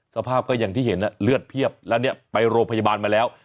สภาพก็อย่างที่เห็นเลือดเพียบแล้วเนี่ยไปโรงพยาบาลมาแล้ว